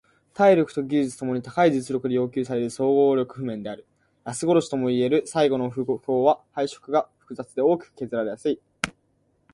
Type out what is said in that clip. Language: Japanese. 体力と技術共に高い実力で要求される総合力譜面である。ラス殺しともいえる最後の複合は配色が複雑で大きく削られやすい。